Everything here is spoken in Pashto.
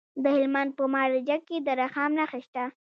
د هلمند په مارجه کې د رخام نښې شته.